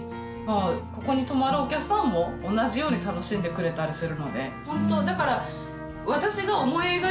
ここに泊まるお客さんも同じように楽しんでくれたりするので。